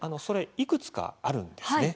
いくつかあるんですね。